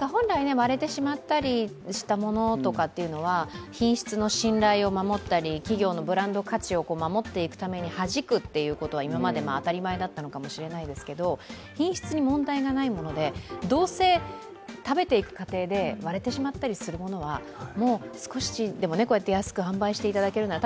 本来、割れてしまったりしたものは品質の信頼を守ったりブランド価値を守っていくためにはじくっていうのも今まで当たり前だったのかもしれないですけど、品質に問題がないもので、どうせ食べていく過程で割れてしまったりするものは、少しでも安く販売してもらえるのは